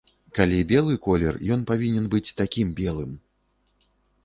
Калі белы колер, ён павінен быць такім белым.